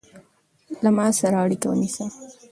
له ما سره اړیکه ونیسه